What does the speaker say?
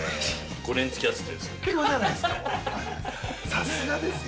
◆５年、つき合っててですよ。